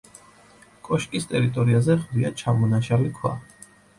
კოშკის ტერიტორიაზე ყრია ჩამონაშალი ქვა.